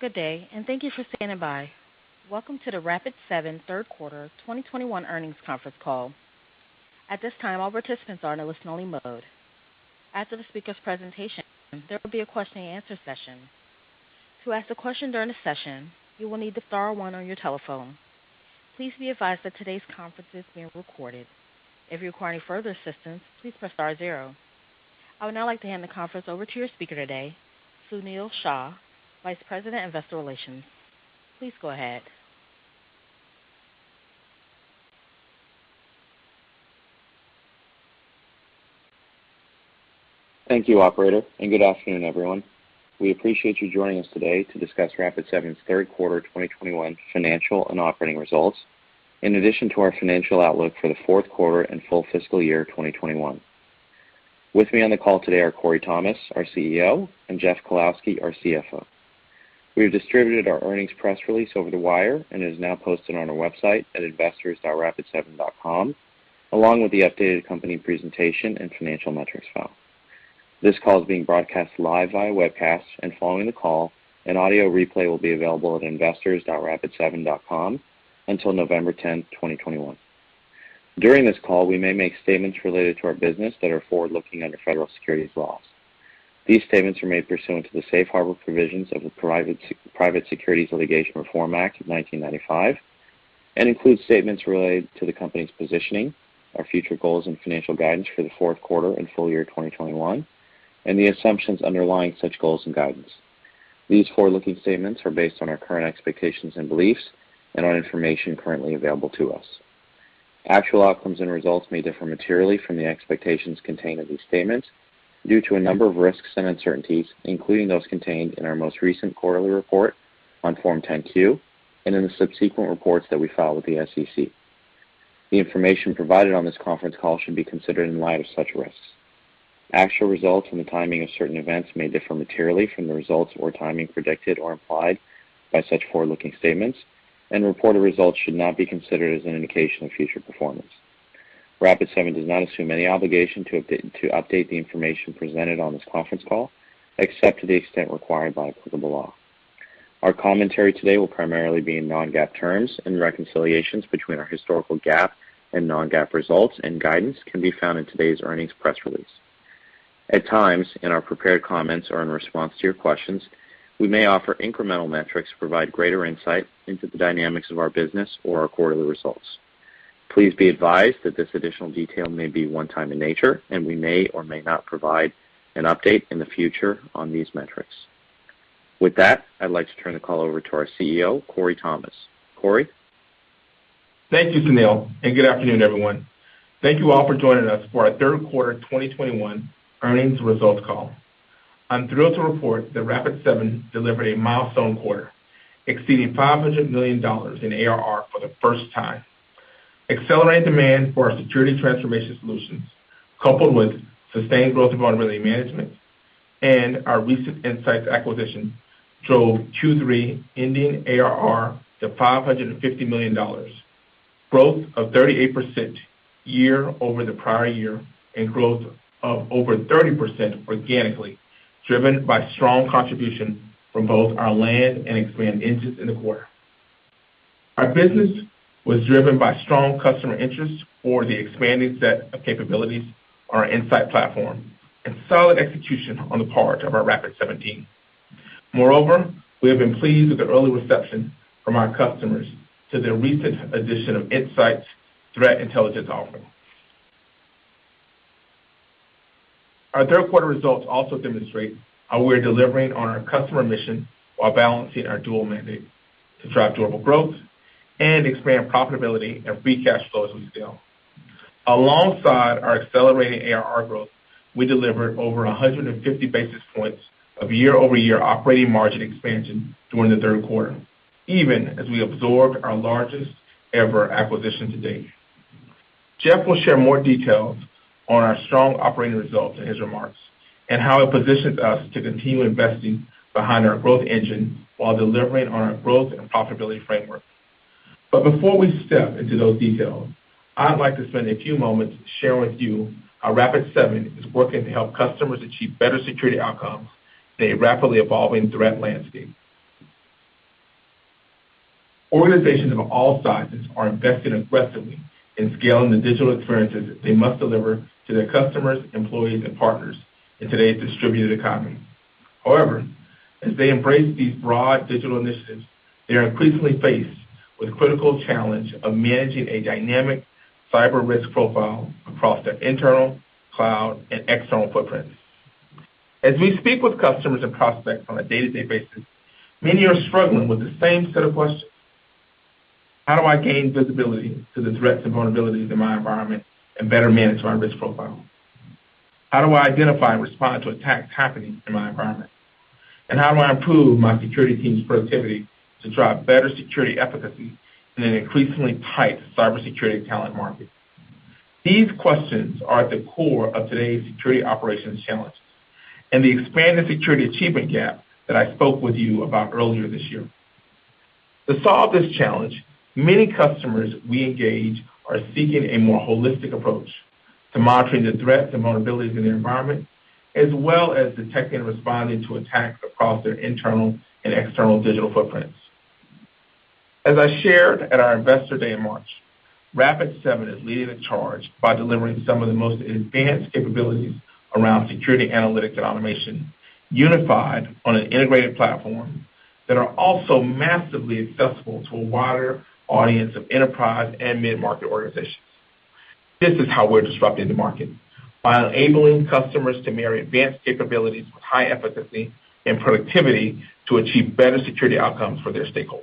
Good day, and thank you for standing by. Welcome to the Rapid7 third quarter 2021 earnings conference call. At this time, all participants are in a listen-only mode. After the speaker's presentation, there will be a question-and-answer session. To ask a question during the session, you will need to star one on your telephone. Please be advised that today's conference is being recorded. If you require any further assistance, please press star zero. I would now like to hand the conference over to your speaker today, Sunil Shah, Vice President of Investor Relations. Please go ahead. Thank you, operator, and good afternoon, everyone. We appreciate you joining us today to discuss Rapid7's third quarter 2021 financial and operating results in addition to our financial outlook for the fourth quarter and full fiscal year 2021. With me on the call today are Corey Thomas, our CEO, and Jeff Kalowski, our CFO. We have distributed our earnings press release over the wire and it is now posted on our website at investors.rapid7.com, along with the updated company presentation and financial metrics file. This call is being broadcast live via webcast and following the call, an audio replay will be available at investors.rapid7.com until November 10th, 2021. During this call, we may make statements related to our business that are forward-looking under federal securities laws. These statements are made pursuant to the Safe Harbor Provisions of the Private Securities Litigation Reform Act of 1995 and include statements related to the company's positioning, our future goals and financial guidance for the fourth quarter and full year 2021, and the assumptions underlying such goals and guidance. These forward-looking statements are based on our current expectations and beliefs and on information currently available to us. Actual outcomes and results may differ materially from the expectations contained in these statements due to a number of risks and uncertainties, including those contained in our most recent quarterly report on Form 10-Q and in the subsequent reports that we file with the SEC. The information provided on this conference call should be considered in light of such risks. Actual results and the timing of certain events may differ materially from the results or timing predicted or implied by such forward-looking statements, and reported results should not be considered as an indication of future performance. Rapid7 does not assume any obligation to update the information presented on this conference call, except to the extent required by applicable law. Our commentary today will primarily be in non-GAAP terms, and reconciliations between our historical GAAP and non-GAAP results and guidance can be found in today's earnings press release. At times, in our prepared comments or in response to your questions, we may offer incremental metrics to provide greater insight into the dynamics of our business or our quarterly results. Please be advised that this additional detail may be one-time in nature, and we may or may not provide an update in the future on these metrics. With that, I'd like to turn the call over to our CEO, Corey Thomas. Corey? Thank you, Sunil, and good afternoon, everyone. Thank you all for joining us for our third quarter 2021 earnings results call. I'm thrilled to report that Rapid7 delivered a milestone quarter, exceeding $500 million in ARR for the first time. Accelerated demand for our security transformation solutions, coupled with sustained growth of our vulnerability management and our recent IntSights acquisition, drove Q3 ending ARR to $550 million, growth of 38% year-over-year and growth of over 30% organically, driven by strong contribution from both our land and expand engines in the quarter. Our business was driven by strong customer interest for the expanding set of capabilities on our Insight platform and solid execution on the part of our Rapid7 team. Moreover, we have been pleased with the early reception from our customers to the recent addition of Insight's threat intelligence offering. Our third quarter results also demonstrate how we're delivering on our customer mission while balancing our dual mandate to drive durable growth and expand profitability and free cash flow as we scale. Alongside our accelerated ARR growth, we delivered over 150 basis points of year-over-year operating margin expansion during the third quarter, even as we absorbed our largest ever acquisition to date. Jeff will share more details on our strong operating results in his remarks and how it positions us to continue investing behind our growth engine while delivering on our growth and profitability framework. Before we step into those details, I'd like to spend a few moments to share with you how Rapid7 is working to help customers achieve better security outcomes in a rapidly evolving threat landscape. Organizations of all sizes are investing aggressively in scaling the digital experiences they must deliver to their customers, employees, and partners in today's distributed economy. However, as they embrace these broad digital initiatives, they are increasingly faced with the critical challenge of managing a dynamic cyber risk profile across their internal, cloud, and external footprints. As we speak with customers and prospects on a day-to-day basis, many are struggling with the same set of questions. How do I gain visibility to the threats and vulnerabilities in my environment and better manage my risk profile? How do I identify and respond to attacks happening in my environment? How do I improve my security team's productivity to drive better security efficacy in an increasingly tight cybersecurity talent market? These questions are at the core of today's security operations challenges and the expanded security achievement gap that I spoke with you about earlier this year. To solve this challenge, many customers we engage are seeking a more holistic approach to monitoring the threats and vulnerabilities in their environment, as well as detecting and responding to attacks across their internal and external digital footprints. As I shared at our Investor Day in March, Rapid7 is leading the charge by delivering some of the most advanced capabilities around security analytics and automation, unified on an integrated platform that are also massively accessible to a wider audience of enterprise and mid-market organizations. This is how we're disrupting the market, by enabling customers to marry advanced capabilities with high efficacy and productivity to achieve better security outcomes for their stakeholders.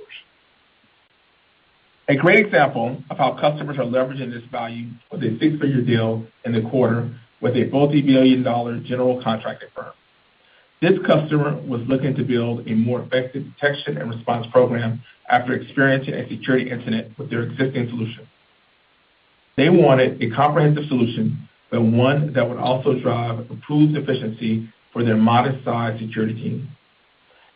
A great example of how customers are leveraging this value was a six-figure deal in the quarter with a multi-million-dollar government-contracted firm. This customer was looking to build a more effective detection and response program after experiencing a security incident with their existing solution. They wanted a comprehensive solution, but one that would also drive improved efficiency for their modest-sized security team.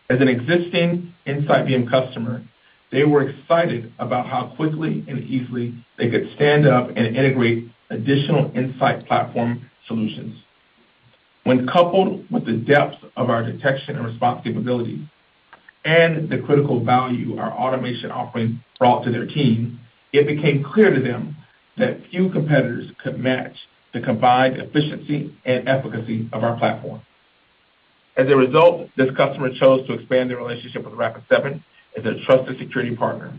As an existing InsightVM customer, they were excited about how quickly and easily they could stand up and integrate additional Insight platform solutions. When coupled with the depth of our detection and response capabilities and the critical value our automation offerings brought to their team, it became clear to them that few competitors could match the combined efficiency and efficacy of our platform. As a result, this customer chose to expand their relationship with Rapid7 as their trusted security partner,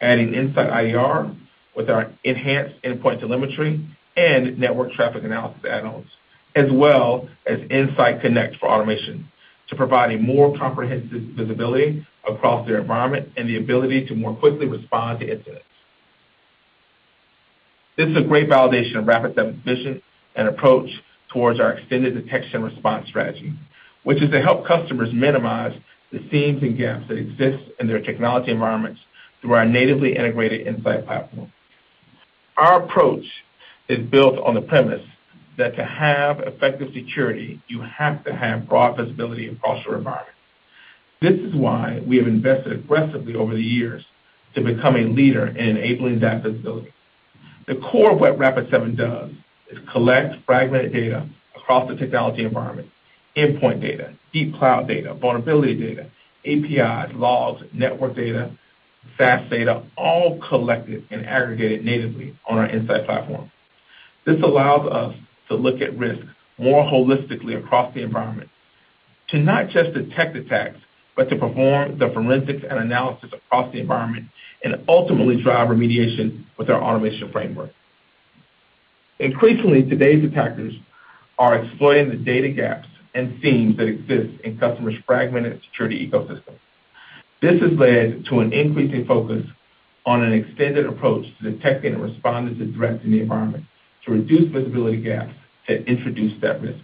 adding InsightIDR with our enhanced endpoint telemetry and network traffic analysis add-ons, as well as InsightConnect for automation to provide a more comprehensive visibility across their environment and the ability to more quickly respond to incidents. This is a great validation of Rapid7's vision and approach towards our extended detection response strategy, which is to help customers minimize the seams and gaps that exist in their technology environments through our natively integrated Insight platform. Our approach is built on the premise that to have effective security, you have to have broad visibility across your environment. This is why we have invested aggressively over the years to become a leader in enabling that visibility. The core of what Rapid7 does is collect fragmented data across the technology environment, endpoint data, deep cloud data, vulnerability data, APIs, logs, network data, SaaS data, all collected and aggregated natively on our Insight platform. This allows us to look at risk more holistically across the environment to not just detect attacks, but to perform the forensics and analysis across the environment and ultimately drive remediation with our automation framework. Increasingly, today's attackers are exploiting the data gaps and seams that exist in customers' fragmented security ecosystems. This has led to an increasing focus on an extended approach to detecting and responding to threats in the environment to reduce visibility gaps that introduce that risk.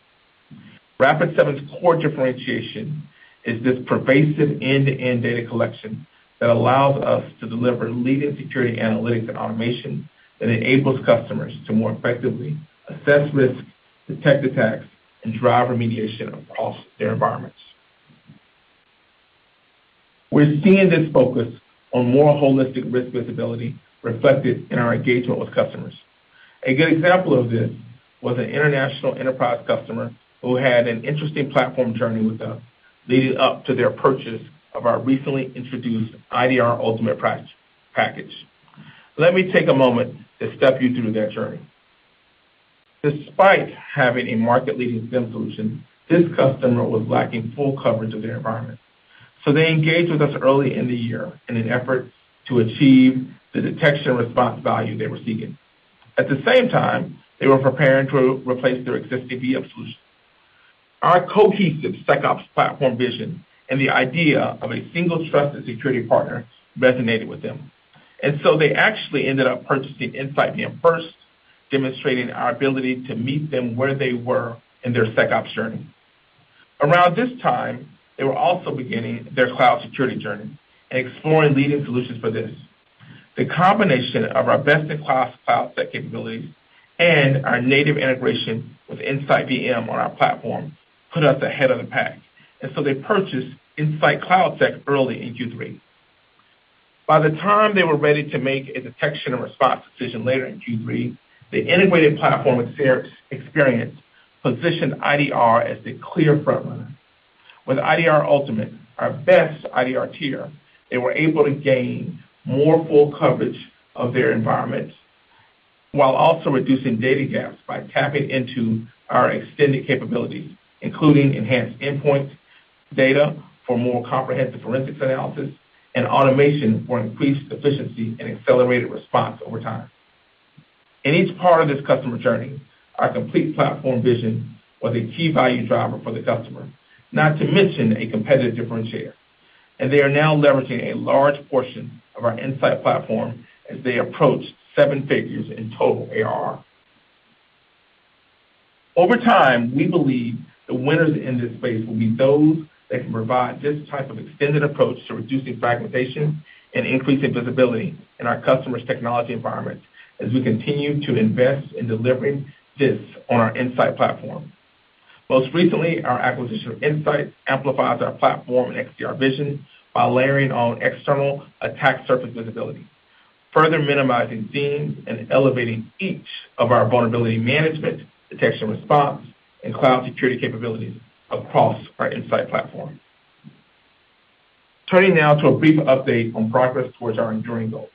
Rapid7's core differentiation is this pervasive end-to-end data collection that allows us to deliver leading security analytics and automation that enables customers to more effectively assess risk, detect attacks, and drive remediation across their environments. We're seeing this focus on more holistic risk visibility reflected in our engagement with customers. A good example of this was an international enterprise customer who had an interesting platform journey with us leading up to their purchase of our recently introduced IDR Ultimate package. Let me take a moment to step you through that journey. Despite having a market-leading SIEM solution, this customer was lacking full coverage of their environment. They engaged with us early in the year in an effort to achieve the detection response value they were seeking. At the same time, they were preparing to replace their existing VM solution. Our cohesive SecOps platform vision and the idea of a single trusted security partner resonated with them. They actually ended up purchasing InsightVM first, demonstrating our ability to meet them where they were in their SecOps journey. Around this time, they were also beginning their cloud security journey and exploring leading solutions for this. The combination of our best-in-class cloud security capabilities and our native integration with InsightVM on our platform put us ahead of the pack, and so they purchased InsightCloudSec early in Q3. By the time they were ready to make a detection and response decision later in Q3, the integrated platform experience positioned IDR as the clear frontrunner. With IDR Ultimate, our best IDR tier, they were able to gain more full coverage of their environments while also reducing data gaps by tapping into our extended capabilities, including enhanced endpoint data for more comprehensive forensics analysis and automation for increased efficiency and accelerated response over time. In each part of this customer journey, our complete platform vision was a key value driver for the customer, not to mention a competitive differentiator. They are now leveraging a large portion of our Insight platform as they approach seven figures in total ARR. Over time, we believe the winners in this space will be those that can provide this type of extended approach to reducing fragmentation and increasing visibility in our customers' technology environments as we continue to invest in delivering this on our Insight platform. Most recently, our acquisition of IntSights amplifies our platform and XDR vision by layering on external attack surface visibility, further minimizing SIEM and elevating each of our vulnerability management, detection response, and cloud security capabilities across our Insight platform. Turning now to a brief update on progress towards our enduring goals.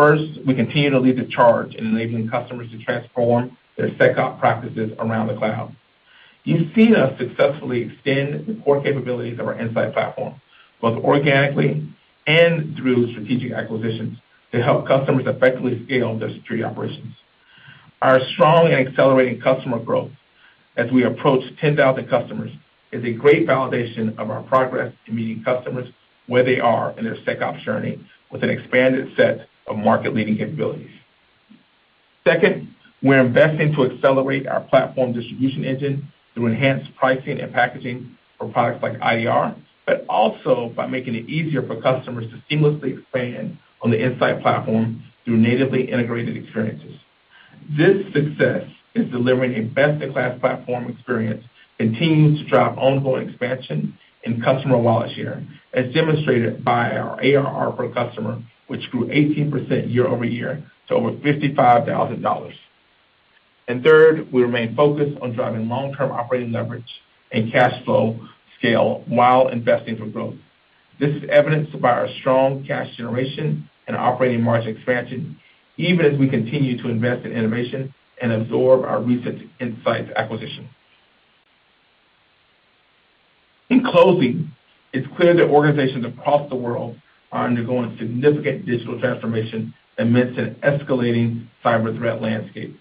First, we continue to lead the charge in enabling customers to transform their SecOps practices around the cloud. You've seen us successfully extend the core capabilities of our Insight platform, both organically and through strategic acquisitions, to help customers effectively scale their security operations. Our strong and accelerating customer growth as we approach 10,000 customers is a great validation of our progress in meeting customers where they are in their SecOps journey with an expanded set of market-leading capabilities. Second, we're investing to accelerate our platform distribution engine through enhanced pricing and packaging for products like IDR, but also by making it easier for customers to seamlessly expand on the Insight platform through natively integrated experiences. This success is delivering a best-in-class platform experience, continues to drive ongoing expansion and customer wallet share, as demonstrated by our ARR per customer, which grew 18% year-over-year to over $55,000. Third, we remain focused on driving long-term operating leverage and cash flow scale while investing for growth. This is evidenced by our strong cash generation and operating margin expansion, even as we continue to invest in innovation and absorb our recent IntSights acquisition. In closing, it's clear that organizations across the world are undergoing significant digital transformation amidst an escalating cyber threat landscape.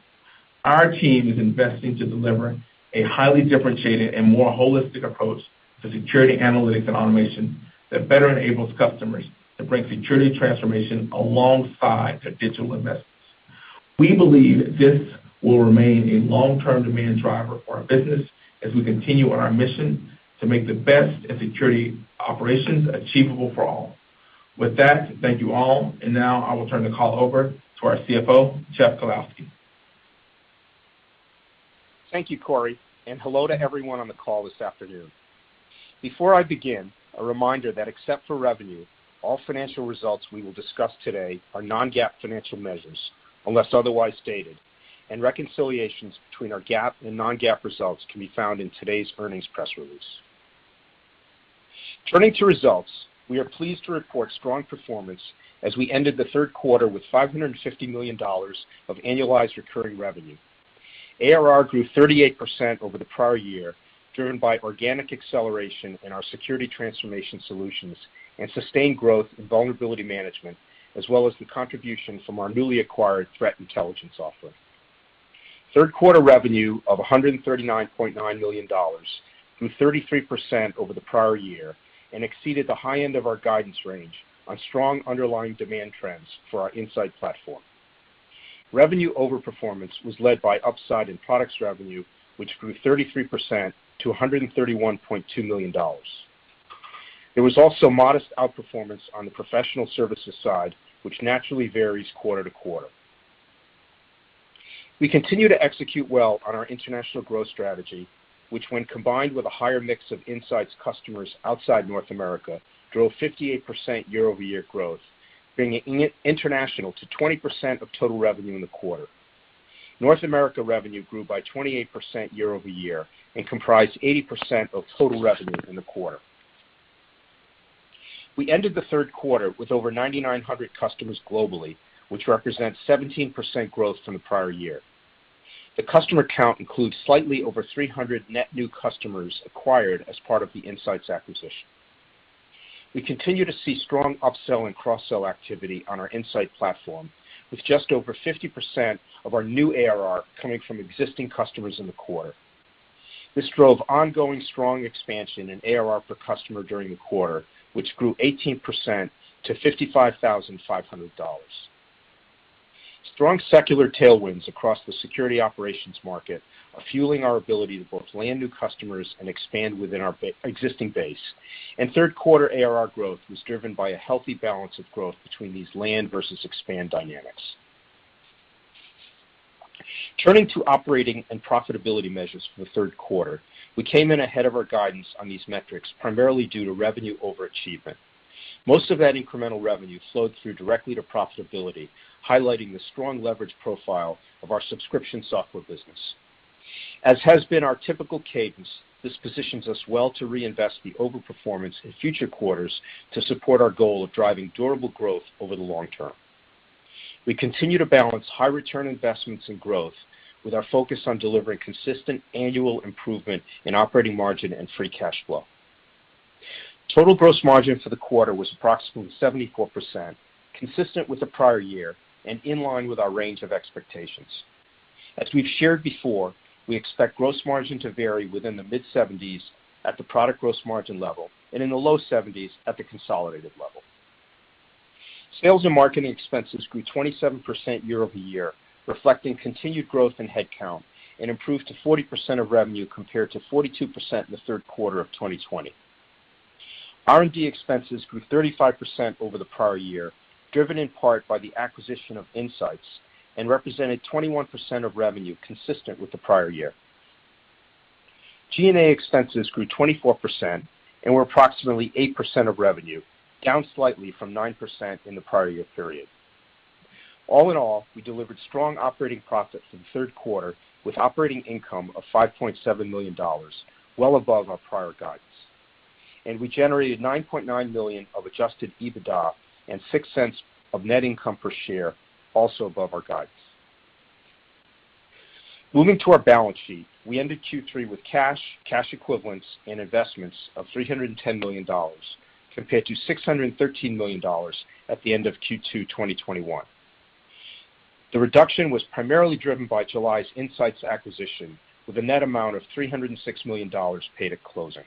Our team is investing to deliver a highly differentiated and more holistic approach to security analytics and automation that better enables customers to bring security transformation alongside their digital investments. We believe this will remain a long-term demand driver for our business as we continue on our mission to make the best in security operations achievable for all. With that, thank you all. Now I will turn the call over to our CFO, Jeff Kalowski. Thank you, Corey, and hello to everyone on the call this afternoon. Before I begin, a reminder that except for revenue, all financial results we will discuss today are non-GAAP financial measures, unless otherwise stated, and reconciliations between our GAAP and non-GAAP results can be found in today's earnings press release. Turning to results, we are pleased to report strong performance as we ended the third quarter with $550 million of annualized recurring revenue. ARR grew 38% over the prior year, driven by organic acceleration in our security transformation solutions and sustained growth in vulnerability management, as well as the contribution from our newly acquired threat intelligence offering. Third quarter revenue of $139.9 million grew 33% over the prior year and exceeded the high end of our guidance range on strong underlying demand trends for our Insight platform. Revenue overperformance was led by upside in products revenue, which grew 33% to $131.2 million. There was also modest outperformance on the professional services side, which naturally varies quarter-to-quarter. We continue to execute well on our international growth strategy, which when combined with a higher mix of IntSights customers outside North America, drove 58% year-over-year growth, bringing international to 20% of total revenue in the quarter. North America revenue grew by 28% year-over-year and comprised 80% of total revenue in the quarter. We ended the third quarter with over 9,900 customers globally, which represents 17% growth from the prior year. The customer count includes slightly over 300 net new customers acquired as part of the IntSights acquisition. We continue to see strong upsell and cross-sell activity on our Insight platform, with just over 50% of our new ARR coming from existing customers in the quarter. This drove ongoing strong expansion in ARR per customer during the quarter, which grew 18% to $55,500. Strong secular tailwinds across the security operations market are fueling our ability to both land new customers and expand within our existing base. Third quarter ARR growth was driven by a healthy balance of growth between these land versus expand dynamics. Turning to operating and profitability measures for the third quarter. We came in ahead of our guidance on these metrics, primarily due to revenue overachievement. Most of that incremental revenue flowed through directly to profitability, highlighting the strong leverage profile of our subscription software business. As has been our typical cadence, this positions us well to reinvest the overperformance in future quarters to support our goal of driving durable growth over the long term. We continue to balance high-return investments and growth with our focus on delivering consistent annual improvement in operating margin and free cash flow. Total gross margin for the quarter was approximately 74%, consistent with the prior year and in line with our range of expectations. As we've shared before, we expect gross margin to vary within the mid-70s at the product gross margin level and in the low 70s at the consolidated level. Sales and marketing expenses grew 27% year-over-year, reflecting continued growth in headcount and improved to 40% of revenue compared to 42% in the third quarter of 2020. R&D expenses grew 35% over the prior year, driven in part by the acquisition of IntSights and represented 21% of revenue consistent with the prior year. G&A expenses grew 24% and were approximately 8% of revenue, down slightly from 9% in the prior-year period. All in all, we delivered strong operating profits in the third quarter with operating income of $5.7 million, well above our prior guidance. We generated $9.9 million of adjusted EBITDA and $0.06 of net income per share, also above our guidance. Moving to our balance sheet. We ended Q3 with cash equivalents and investments of $310 million compared to $613 million at the end of Q2 2021. The reduction was primarily driven by July's IntSights acquisition, with a net amount of $306 million paid at closing.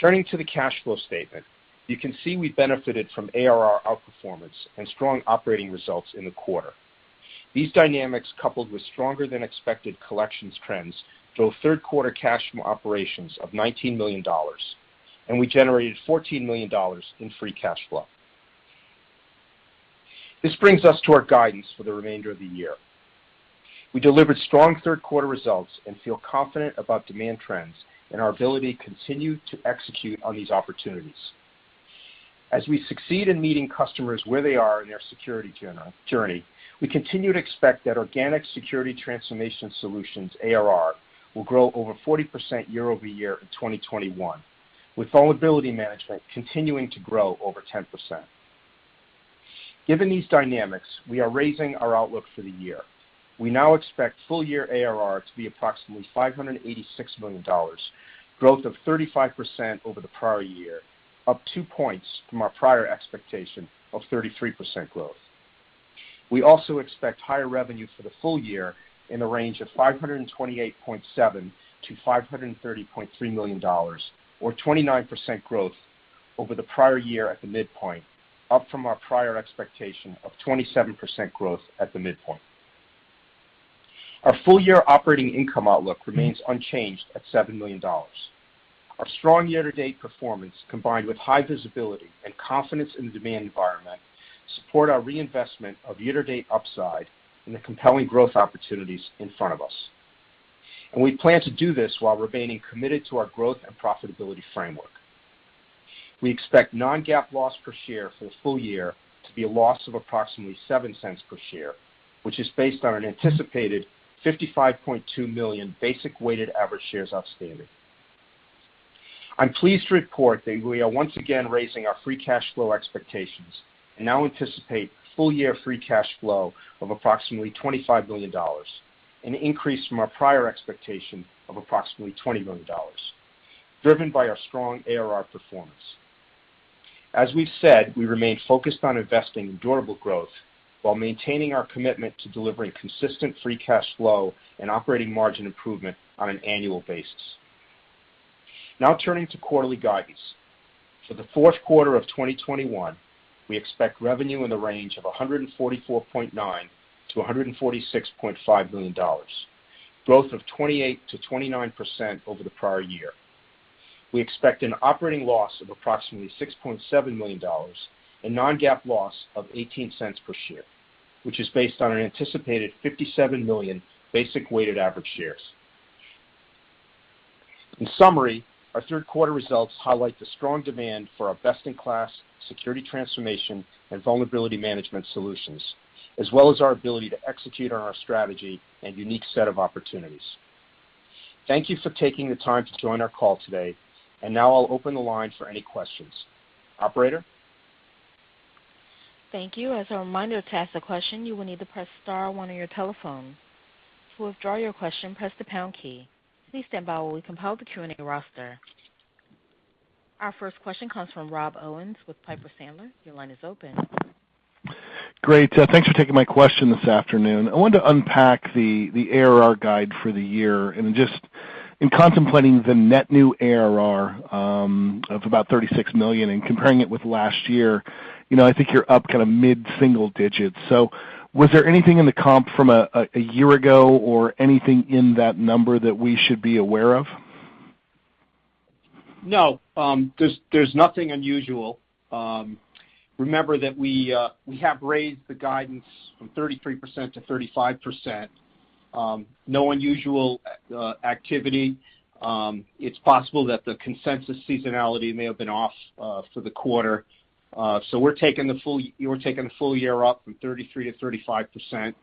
Turning to the cash flow statement, you can see we benefited from ARR outperformance and strong operating results in the quarter. These dynamics, coupled with stronger than expected collections trends, drove third quarter cash from operations of $19 million, and we generated $14 million in free cash flow. This brings us to our guidance for the remainder of the year. We delivered strong third quarter results and feel confident about demand trends and our ability to continue to execute on these opportunities. As we succeed in meeting customers where they are in their security journey, we continue to expect that organic security transformation solutions ARR will grow over 40% year-over-year in 2021, with vulnerability management continuing to grow over 10%. Given these dynamics, we are raising our outlook for the year. We now expect full year ARR to be approximately $586 million, growth of 35% over the prior year, up 2 points from our prior expectation of 33% growth. We also expect higher revenue for the full year in the range of $528.7 million-$530.3 million or 29% growth over the prior year at the midpoint, up from our prior expectation of 27% growth at the midpoint. Our full year operating income outlook remains unchanged at $7 million. Our strong year-to-date performance, combined with high visibility and confidence in the demand environment, support our reinvestment of year-to-date upside in the compelling growth opportunities in front of us. We plan to do this while remaining committed to our growth and profitability framework. We expect non-GAAP loss per share for the full year to be a loss of approximately $0.07 per share, which is based on an anticipated 55.2 million basic weighted average shares outstanding. I'm pleased to report that we are once again raising our free cash flow expectations and now anticipate full year free cash flow of approximately $25 million, an increase from our prior expectation of approximately $20 million, driven by our strong ARR performance. As we've said, we remain focused on investing in durable growth while maintaining our commitment to delivering consistent free cash flow and operating margin improvement on an annual basis. Now turning to quarterly guidance. For the fourth quarter of 2021, we expect revenue in the range of $144.9 million-$146.5 million, growth of 28%-29% over the prior year. We expect an operating loss of approximately $6.7 million and non-GAAP loss of $0.18 per share, which is based on an anticipated 57 million basic weighted average shares. In summary, our third quarter results highlight the strong demand for our best-in-class security transformation and vulnerability management solutions, as well as our ability to execute on our strategy and unique set of opportunities. Thank you for taking the time to join our call today. Now I'll open the line for any questions. Operator? Thank you. As a reminder, to ask a question, you will need to press star one on your telephone. To withdraw your question, press the pound key. Please stand by while we compile the Q&A roster. Our first question comes from Rob Owens with Piper Sandler. Your line is open. Great. Thanks for taking my question this afternoon. I wanted to unpack the ARR guide for the year. Just in contemplating the net new ARR of about $36 million and comparing it with last year, you know, I think you're up kinda mid-single digits. Was there anything in the comp from a year ago or anything in that number that we should be aware of? No. There's nothing unusual. Remember that we have raised the guidance from 33%-35%. No unusual activity. It's possible that the consensus seasonality may have been off for the quarter. So we're taking the full year up from 33%-35%.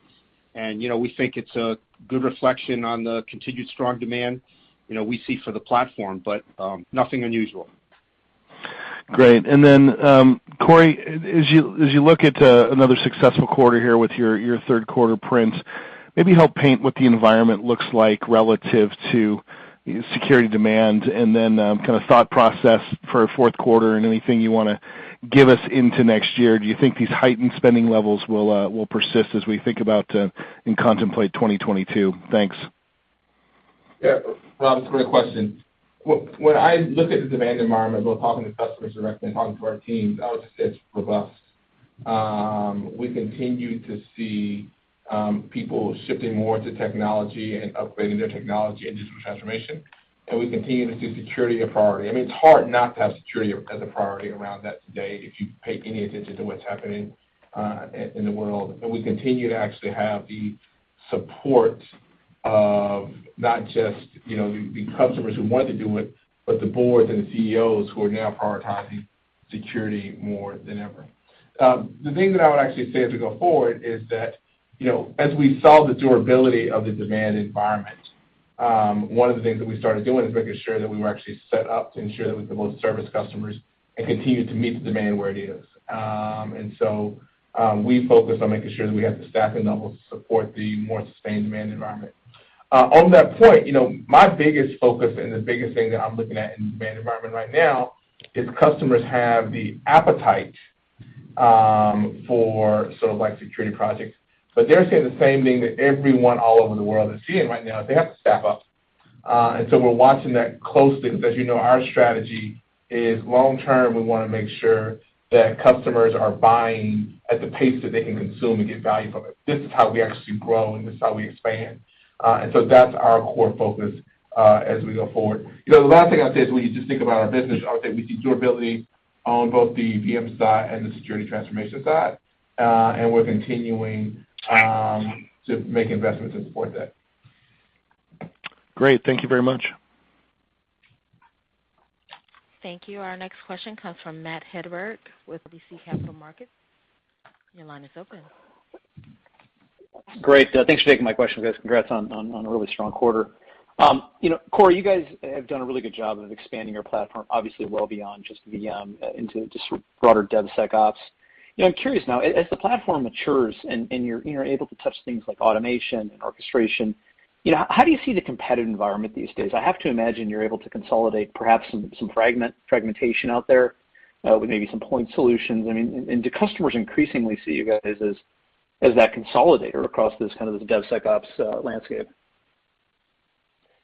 You know, we think it's a good reflection on the continued strong demand, you know, we see for the platform, but nothing unusual. Great. Then, Corey, as you look at another successful quarter here with your third quarter prints, maybe help paint what the environment looks like relative to security demand and then kinda thought process for fourth quarter and anything you wanna give us into next year. Do you think these heightened spending levels will persist as we think about and contemplate 2022? Thanks. Yeah. Rob, great question. When I look at the demand environment, both talking to customers directly and talking to our teams, I would say it's robust. We continue to see people shifting more to technology and upgrading their technology and digital transformation, and we continue to see security a priority. I mean, it's hard not to have security as a priority around that today if you pay any attention to what's happening in the world. We continue to actually have the support of not just, you know, the customers who want to do it, but the Board and the CEOs who are now prioritizing security more than ever. The thing that I would actually say as we go forward is that, you know, as we saw the durability of the demand environment, one of the things that we started doing is making sure that we were actually set up to ensure that we could both service customers and continue to meet the demand where it is. We focused on making sure that we had the staffing level to support the more sustained demand environment. On that point, you know, my biggest focus and the biggest thing that I'm looking at in demand environment right now is customers have the appetite for sort of like security projects. They're saying the same thing that everyone all over the world is seeing right now. They have to staff up. We're watching that closely because as you know, our strategy is long term, we wanna make sure that customers are buying at the pace that they can consume and get value from it. This is how we actually grow, and this is how we expand. That's our core focus as we go forward. You know, the last thing I'll say is when you just think about our business, I would say we see durability on both the VM side and the security transformation side. We're continuing to make investments to support that. Great. Thank you very much. Thank you. Our next question comes from Matt Hedberg with RBC Capital Markets. Your line is open. Great. Thanks for taking my question, guys. Congrats on a really strong quarter. You know, Corey, you guys have done a really good job of expanding your platform obviously well beyond just VM into just broader DevSecOps. You know, I'm curious now, as the platform matures and you're able to touch things like automation and orchestration, you know, how do you see the competitive environment these days? I have to imagine you're able to consolidate perhaps some fragmentation out there with maybe some point solutions. I mean, do customers increasingly see you guys as that consolidator across this kind of DevSecOps landscape?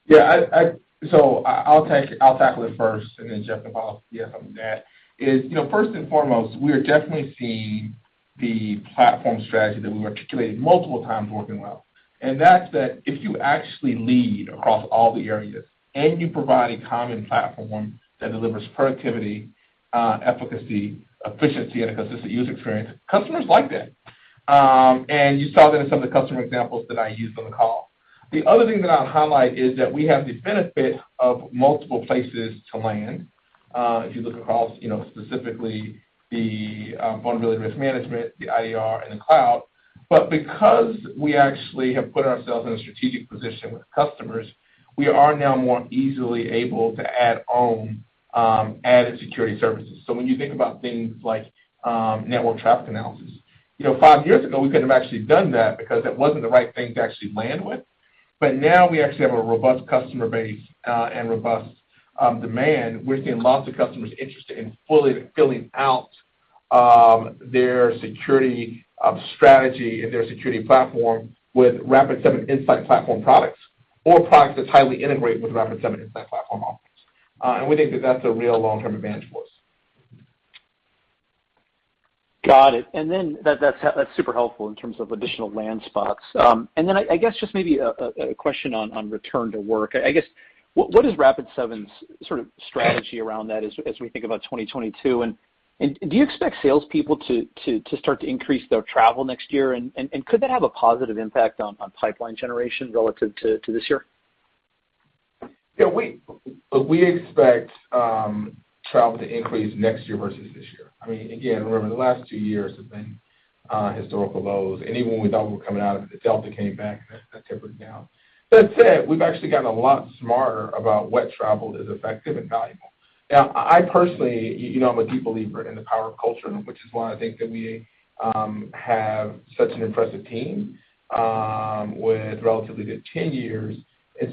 Yeah, so I'll take it. I'll tackle it first, and then Jeff can follow up if he has something to add. You know, first and foremost, we are definitely seeing the platform strategy that we've articulated multiple times working well. That's that if you actually lead across all the areas and you provide a common platform that delivers productivity, efficacy, efficiency, and a consistent user experience, customers like that. You saw that in some of the customer examples that I used on the call. The other thing that I'll highlight is that we have the benefit of multiple places to land, if you look across, you know, specifically the vulnerability risk management, the IDR and the cloud. Because we actually have put ourselves in a strategic position with customers, we are now more easily able to add on added security services. When you think about things like network traffic analysis, you know, five years ago, we couldn't have actually done that because it wasn't the right thing to actually land with. Now we actually have a robust customer base and robust demand. We're seeing lots of customers interested in fully filling out their security strategy and their security platform with Rapid7 Insight platform products or products that's highly integrated with Rapid7 Insight platform offerings. We think that that's a real long-term advantage for us. Got it. That's super helpful in terms of additional land spots. I guess just maybe a question on return to work. What is Rapid7's sort of strategy around that as we think about 2022? Do you expect salespeople to start to increase their travel next year? Could that have a positive impact on pipeline generation relative to this year? Yeah, we expect travel to increase next year versus this year. I mean, again, remember the last two years have been historical lows. Even when we thought we were coming out of it, Delta came back, that tapered it down. That said, we've actually gotten a lot smarter about what travel is effective and valuable. Now, I personally, you know, I'm a deep believer in the power of culture, which is why I think that we have such an impressive team with relatively good ten years.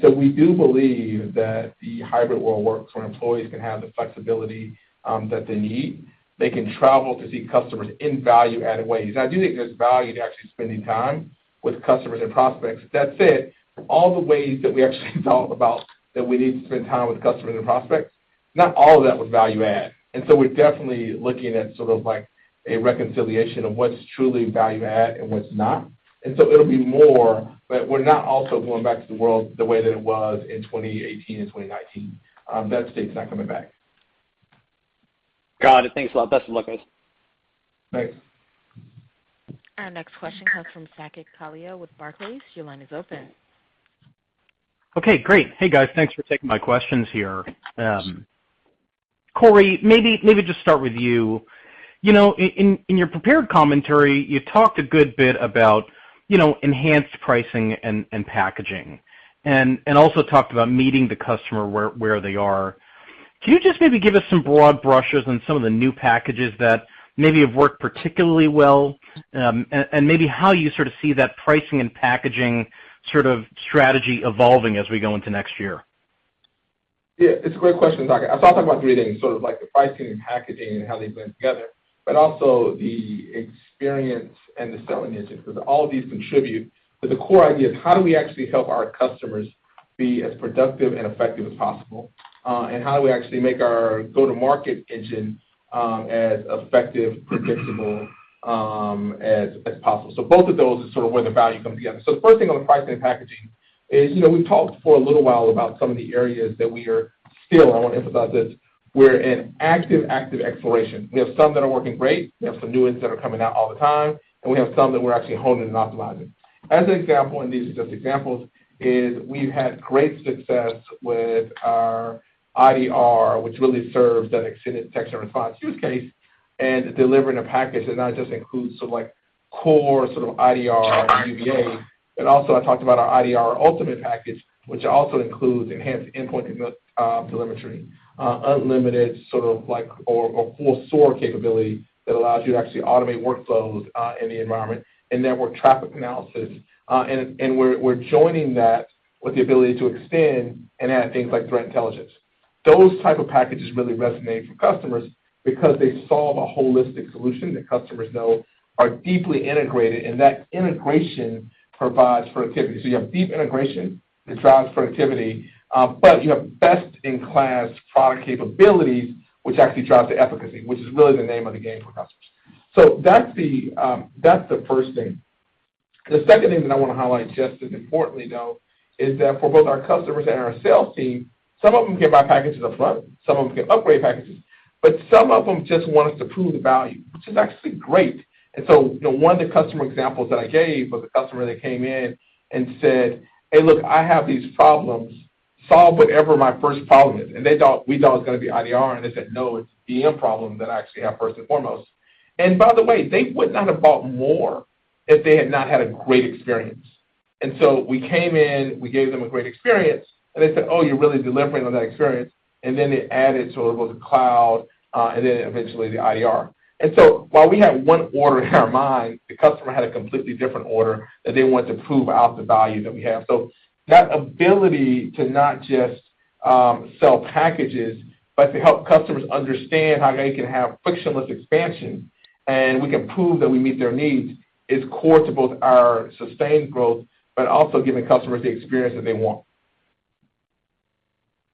We do believe that the hybrid will work where employees can have the flexibility that they need. They can travel to see customers in value-added ways. I do think there's value to actually spending time with customers and prospects. That said, all the ways that we actually thought about that we need to spend time with customers and prospects, not all of that was value add. We're definitely looking at sort of like a reconciliation of what's truly value add and what's not. It'll be more, but we're not also going back to the world the way that it was in 2018 and 2019. That state's not coming back. Got it. Thanks a lot. Best of luck, guys. Thanks. Our next question comes from Saket Kalia with Barclays. Your line is open. Okay, great. Hey, guys. Thanks for taking my questions here. Corey, maybe just start with you. You know, in your prepared commentary, you talked a good bit about, you know, enhanced pricing and packaging and also talked about meeting the customer where they are. Can you just maybe give us some broad brushes on some of the new packages that maybe have worked particularly well, and maybe how you sort of see that pricing and packaging sort of strategy evolving as we go into next year? Yeah, it's a great question, Saket. I'll talk about three things, sort of like the pricing and packaging and how they blend together, but also the experience and the selling engine, because all of these contribute to the core idea of how do we actually help our customers be as productive and effective as possible, and how do we actually make our go-to-market engine as effective, predictable, as possible. Both of those is sort of where the value comes together. The first thing on the pricing and packaging is, you know, we've talked for a little while about some of the areas that we are still, and I wanna emphasize this, we're in active exploration. We have some that are working great, we have some new ones that are coming out all the time, and we have some that we're actually honing and optimizing. As an example, and these are just examples, we've had great success with our IDR, which really serves that extended detection response use case, and delivering a package that not just includes sort of like core sort of IDR and UBA, but also I talked about our IDR Ultimate package, which also includes enhanced endpoint telemetry, unlimited sort of like or full SOAR capability that allows you to actually automate workflows in the environment and network traffic analysis. We're joining that with the ability to extend and add things like threat intelligence. Those type of packages really resonate for customers because they solve a holistic solution that customers know are deeply integrated, and that integration provides productivity. You have deep integration that drives productivity, but you have best in class product capabilities which actually drives the efficacy, which is really the name of the game for customers. That's the first thing. The second thing that I wanna highlight just as importantly, though, is that for both our customers and our sales team, some of them can buy packages up front, some of them can upgrade packages, but some of them just want us to prove the value, which is actually great. You know, one of the customer examples that I gave was a customer that came in and said, "Hey, look, I have these problems. Solve whatever my first problem is." They thought, we thought it was gonna be IDR, and they said, "No, it's VM problem that I actually have first and foremost." By the way, they would not have bought more if they had not had a great experience. We came in, we gave them a great experience, and they said, "Oh, you're really delivering on that experience." Then they added, so it was cloud, and then eventually the IDR. While we had one order in our mind, the customer had a completely different order that they wanted to prove out the value that we have. That ability to not just sell packages, but to help customers understand how they can have frictionless expansion, and we can prove that we meet their needs, is core to both our sustained growth, but also giving customers the experience that they want.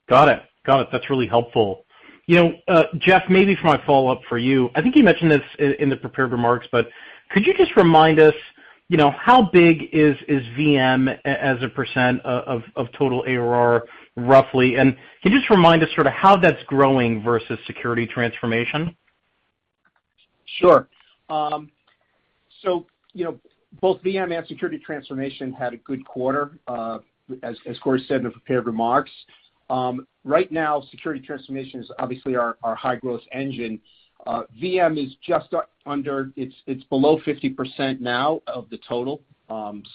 Got it. That's really helpful. You know, Jeff, maybe for my follow-up for you, I think you mentioned this in the prepared remarks, but could you just remind us, you know, how big is VM as a percent of total ARR roughly, and can you just remind us sort of how that's growing versus security transformation? Sure. So, you know, both VM and security transformation had a good quarter, as Corey said in the prepared remarks. Right now, security transformation is obviously our high-growth engine. VM is just. It's below 50% now of the total.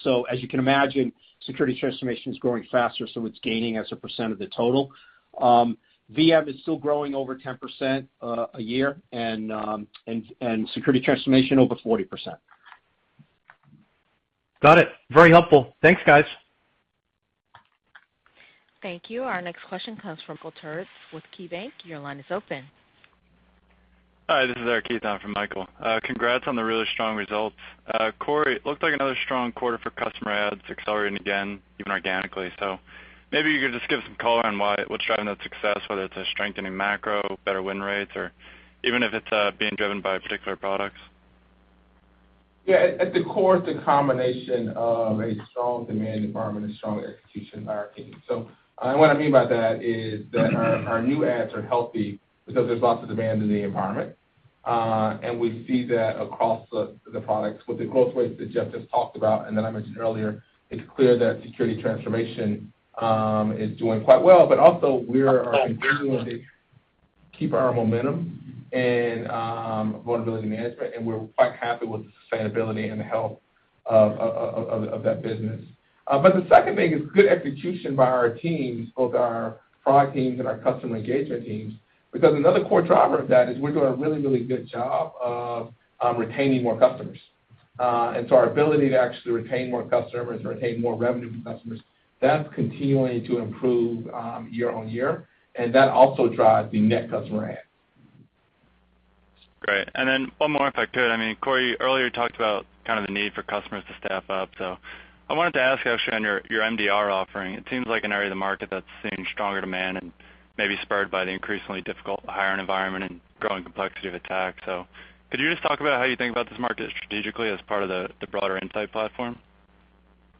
So as you can imagine, security transformation is growing faster, so it's gaining as a percent of the total. VM is still growing over 10% a year and security transformation over 40%. Got it. Very helpful. Thanks, guys. Thank you. Our next question comes from Michael Turits with KeyBanc. Your line is open. Hi, this is Eric Heath on for Michael. Congrats on the really strong results. Corey, it looked like another strong quarter for customer adds accelerating again, even organically. Maybe you could just give some color on why, what's driving that success, whether it's a strengthening macro, better win rates, or even if it's being driven by particular products. Yeah. At the core, it's a combination of a strong demand environment and strong execution by our team. What I mean by that is that our new adds are healthy because there's lots of demand in the environment. We see that across the products. With the growth rates that Jeff just talked about and that I mentioned earlier, it's clear that security transformation is doing quite well. We are continuing to keep our momentum in vulnerability management, and we're quite happy with the sustainability and the health of that business. The second thing is good execution by our teams, both our product teams and our customer engagement teams. Because another core driver of that is we're doing a really good job of retaining more customers. Our ability to actually retain more customers, retain more revenue from customers, that's continuing to improve year-over-year, and that also drives the net customer adds. Great. One more if I could. I mean, Corey, you earlier talked about kind of the need for customers to staff up. I wanted to ask actually on your MDR offering. It seems like an area of the market that's seeing stronger demand and maybe spurred by the increasingly difficult hiring environment and growing complexity of attack. Could you just talk about how you think about this market strategically as part of the broader Insight platform?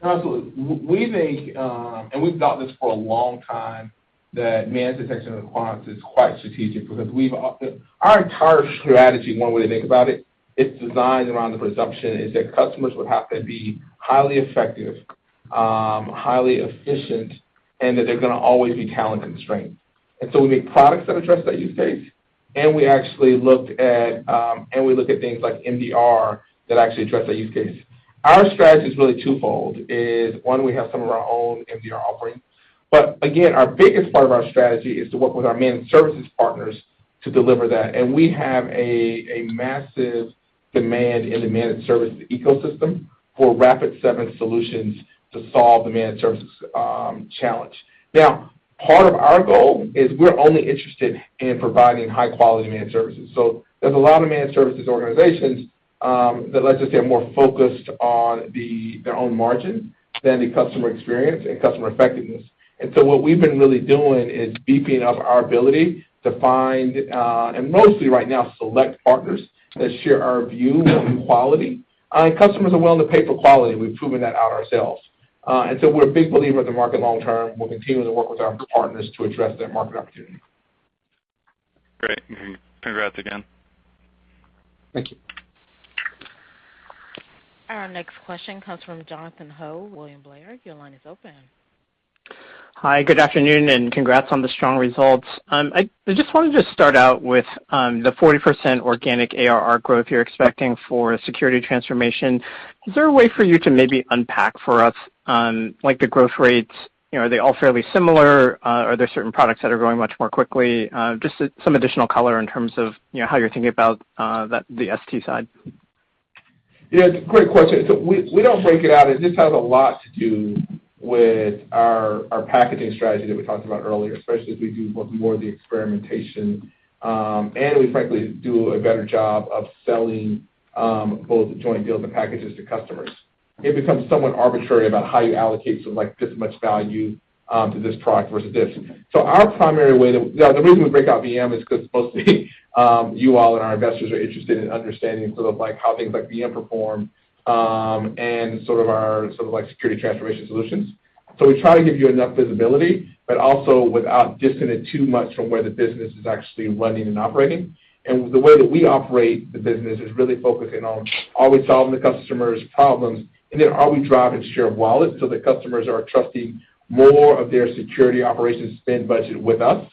Absolutely. We've thought this for a long time, that managed detection and response is quite strategic because our entire strategy, one way to think about it's designed around the presumption that customers would have to be highly effective, highly efficient, and that they're gonna always be talent constrained. We make products that address that use case, and we actually looked at, and we look at things like MDR that actually address that use case. Our strategy is really twofold. One, we have some of our own MDR offerings. But again, our biggest part of our strategy is to work with our managed services partners to deliver that. We have a massive demand in the managed service ecosystem for Rapid7 solutions to solve the managed services challenge. Now, part of our goal is we're only interested in providing high-quality managed services. There's a lot of managed services organizations that, let's just say, are more focused on their own margin than the customer experience and customer effectiveness. What we've been really doing is beefing up our ability to find and mostly right now, select partners that share our view on quality. Customers are willing to pay for quality. We've proven that out ourselves. We're a big believer in the market long term. We're continuing to work with our partners to address their market opportunity. Great. Congrats again. Thank you. Our next question comes from Jonathan Ho, William Blair. Your line is open. Hi, good afternoon, and congrats on the strong results. I just wanted to start out with the 40% organic ARR growth you're expecting for security transformation. Is there a way for you to maybe unpack for us like the growth rates? You know, are they all fairly similar? Are there certain products that are growing much more quickly? Just some additional color in terms of, you know, how you're thinking about the ST side. Yeah, great question. We don't break it out. It just has a lot to do with our packaging strategy that we talked about earlier, especially as we do more of the experimentation, and we frankly do a better job of selling both the joint deals and packages to customers. It becomes somewhat arbitrary about how you allocate, so like this much value to this product versus this. Now the reason we break out VM is 'cause mostly you all and our investors are interested in understanding sort of like how things like VM perform, and sort of like security transformation solutions. We try to give you enough visibility, but also without distancing it too much from where the business is actually running and operating. The way that we operate the business is really focusing on are we solving the customer's problems, and then are we driving share of wallet so that customers are trusting more of their security operations spend budget with us.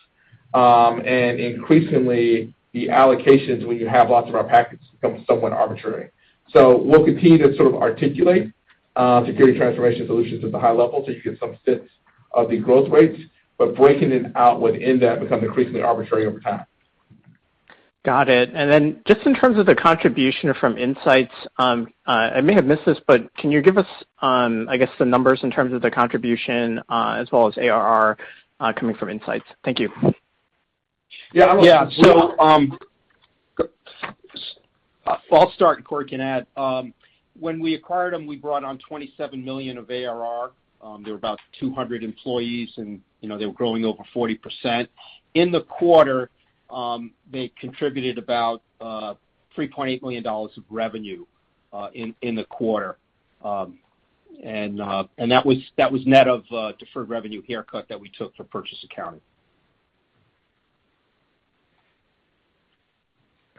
Increasingly, the allocations when you have lots of our packages becomes somewhat arbitrary. We'll continue to sort of articulate, security transformation solutions at the high level so you get some sense of the growth rates, but breaking it out within that become increasingly arbitrary over time. Got it. Just in terms of the contribution from IntSights, I may have missed this, but can you give us, I guess, the numbers in terms of the contribution, as well as ARR, coming from IntSights? Thank you. Yeah. I'll start, and Corey can add. When we acquired them, we brought on $27 million of ARR. There were about 200 employees, and you know, they were growing over 40%. In the quarter, they contributed about $3.8 million of revenue in the quarter. That was net of a deferred revenue haircut that we took for purchase accounting.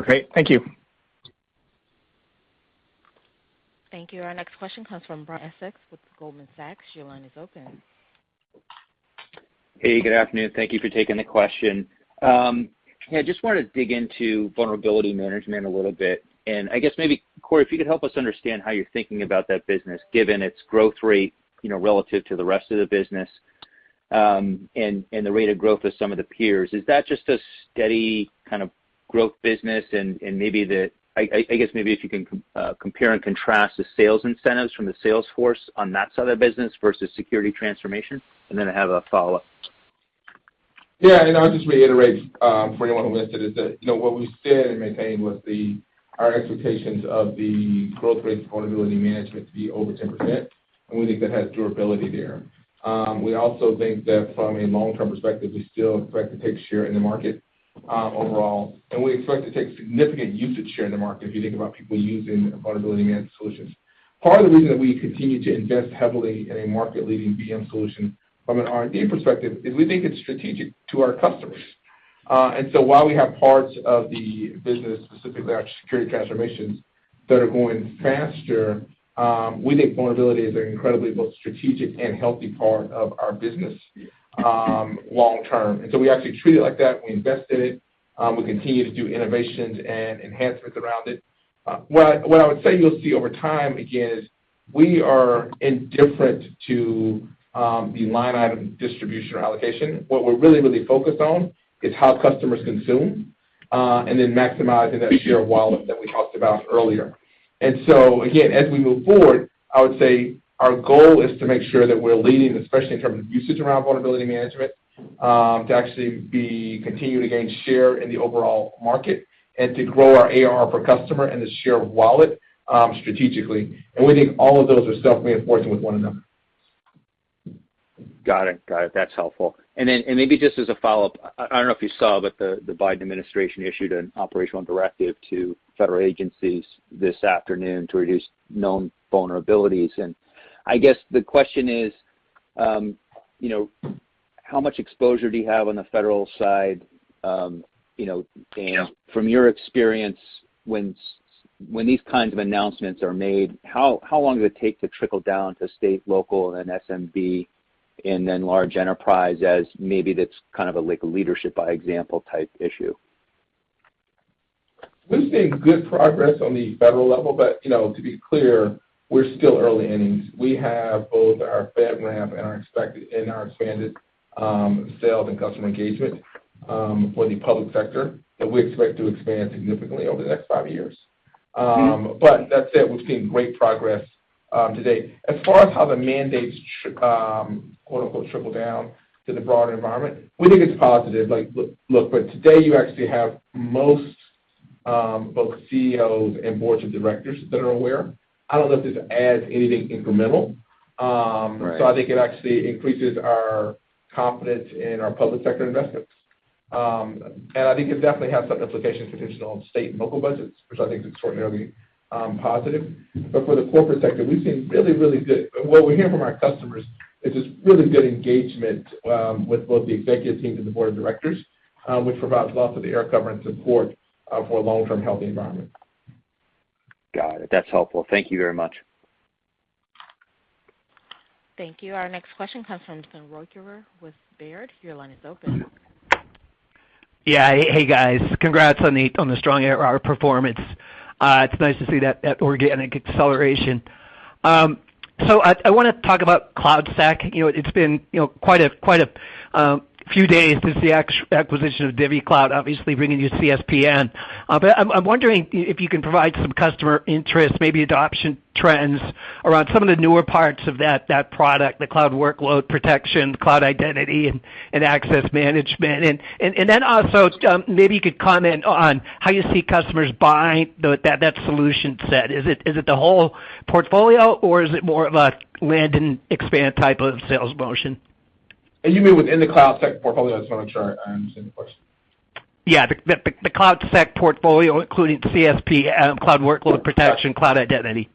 Okay. Thank you. Thank you. Our next question comes from Brian Essex with Goldman Sachs. Your line is open. Hey, good afternoon. Thank you for taking the question. Yeah, just wanted to dig into vulnerability management a little bit. I guess maybe, Corey, if you could help us understand how you're thinking about that business, given its growth rate, you know, relative to the rest of the business, and the rate of growth of some of the peers. Is that just a steady kind of growth business? Maybe if you can compare and contrast the sales incentives from the sales force on that side of the business versus security transformation. Then I have a follow-up. Yeah. I'll just reiterate, for anyone who missed it, is that, you know, what we said and maintained was our expectations of the growth rates of vulnerability management to be over 10%, and we think that has durability there. We also think that from a long-term perspective, we still expect to take share in the market, overall, and we expect to take significant usage share in the market if you think about people using vulnerability management solutions. Part of the reason that we continue to invest heavily in a market-leading VM solution from an R&D perspective is we think it's strategic to our customers. While we have parts of the business, specifically our security transformations, that are going faster, we think vulnerability is an incredibly both strategic and healthy part of our business, long term. We actually treat it like that. We invest in it. We continue to do innovations and enhancements around it. What I would say you'll see over time, again, is we are indifferent to the line item distribution or allocation. What we're really, really focused on is how customers consume and then maximizing that share of wallet that we talked about earlier. Again, as we move forward, I would say our goal is to make sure that we're leading, especially in terms of usage around vulnerability management to actually be continuing to gain share in the overall market and to grow our ARR per customer and the share of wallet strategically. We think all of those are self-reinforcing with one another. Got it. That's helpful. Then maybe just as a follow-up, I don't know if you saw, but the Biden administration issued an operational directive to federal agencies this afternoon to reduce known vulnerabilities. I guess the question is, you know, how much exposure do you have on the federal side? You know, from your experience, when these kinds of announcements are made, how long does it take to trickle down to state, local, and SMB, and then large enterprise as maybe that's kind of like a leadership by example type issue? We've seen good progress on the federal level, but you know, to be clear, we're still early innings. We have both our FedRAMP and our expanded sales and customer engagement for the public sector that we expect to expand significantly over the next five years. That said, we've seen great progress to date. As far as how the mandates quote unquote, "trickle down" to the broader environment, we think it's positive. Like, look, but today you actually have most both CEOs and Board of Directors that are aware. I don't know if this adds anything incremental. Right. I think it actually increases our confidence in our public sector investments. I think it definitely has some implications for traditional state and local budgets, which I think is extraordinarily positive. For the corporate sector, what we hear from our customers is just really good engagement with both the executive team and the Board of Directors, which provides a lot of the air cover and support for a long-term healthy environment. Got it. That's helpful. Thank you very much. Thank you. Our next question comes from Jonathan Ruykhaver with Baird. Your line is open. Yeah. Hey, guys. Congrats on the strong ARR performance. It's nice to see that organic acceleration. So I wanna talk about InsightCloudSec. You know, it's been quite a few days since the acquisition of DivvyCloud, obviously bringing you CSPM. But I'm wondering if you can provide some customer interest, maybe adoption trends around some of the newer parts of that product, the cloud workload protection, cloud identity and access management. And then also, maybe you could comment on how you see customers buying that solution set. Is it the whole portfolio or is it more of a land and expand type of sales motion? You mean within the InsightCloudSec portfolio? I just wanna make sure I understand the question. Yeah. The InsightCloudSec portfolio, including CSPM, Cloud Workload Protection, Cloud Identity.